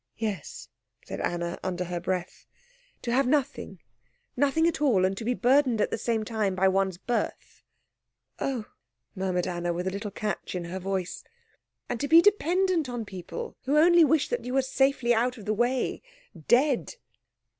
"Yes," said Anna, under her breath. "To have nothing, nothing at all, and to be burdened at the same time by one's birth." "Oh," murmured Anna, with a little catch in her voice. "And to be dependent on people who only wish that you were safely out of the way dead."